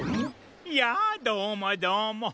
やあどうもどうも。